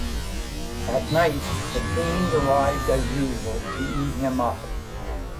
At night the fiend arrived as usual to eat him up.